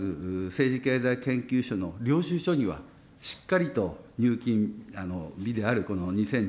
政治経済研究所の領収書には、しっかりと入金日であるこの